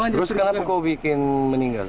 terus kenapa kau bikin meninggal